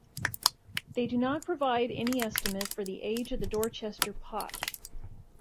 They do not provide any estimate of the age of the Dorchester Pot.